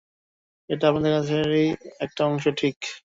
এটা আপনাদের কাজেরই একটা অংশ, ঠিক?